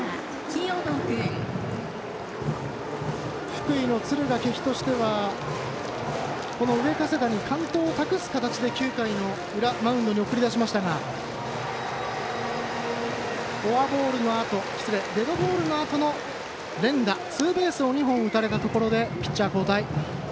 福井の敦賀気比としてはこの上加世田に完投を託す形で９回の裏マウンドに送り出しましたがデッドボールのあとの連打ツーベースを２本打たれたところでピッチャー交代。